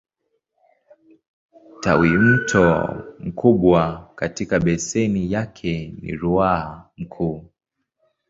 Tawimto mkubwa katika beseni yake ni Ruaha Mkuu.